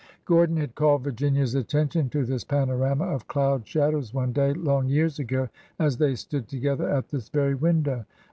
Gordon had called Virginia's attention to this panorama of cloud shadows one day, long years ago, as they stood together at this very window.